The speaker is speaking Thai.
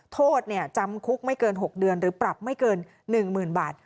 โทษจำคุกไม่เกิน๖เดือนหรือปรับไม่เกิน๑๐๐๐บาท